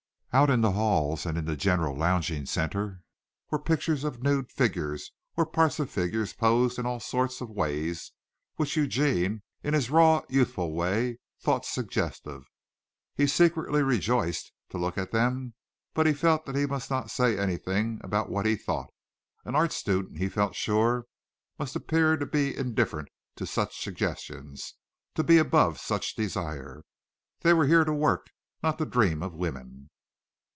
Out in the halls and in the general lounging center were pictures of nude figures or parts of figures posed in all sorts of ways which Eugene, in his raw, youthful way, thought suggestive. He secretly rejoiced to look at them but he felt that he must not say anything about what he thought. An art student, he felt sure, must appear to be indifferent to such suggestion to be above such desire. They were here to work, not to dream of women.